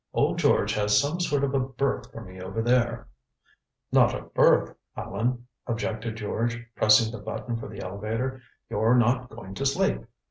Old George has some sort of a berth for me over there " "Not a berth, Allan," objected George, pressing the button for the elevator. "You're not going to sleep.